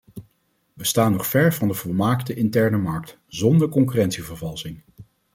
We staan nog ver van de volmaakte interne markt, zonder concurrentievervalsing.